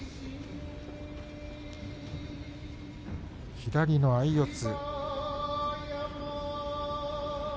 左の相四つ。